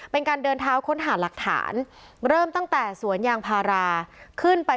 เป็นการเดินเท้าค้นหาหลักฐานเริ่มตั้งแต่สวนยางพาราขึ้นไป